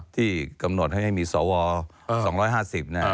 ที่กำหนดให้มีสว๒๕๐เนี่ย